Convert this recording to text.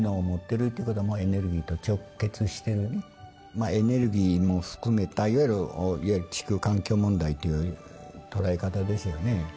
まあエネルギーも含めたいわゆる地球環境問題という捉え方ですよね。